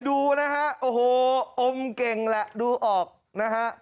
ดูนะฮะโอ้โหอมเก่งแหละดูออกนะฮะ